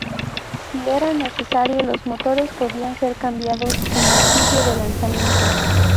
Si era necesario los motores podían ser cambiados en el sitio de lanzamiento.